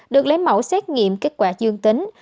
được lấy mẫu xét nghiệm kết quả dương tính